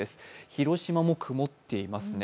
広島も曇っています。